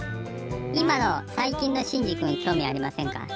今の最近のしんじ君興味ありませんか？